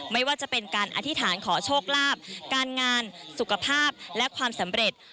ไม่ว่าจะเป็นการอธิษฐานขอโชคลาภการงานสุขภาพและความสำเร็จ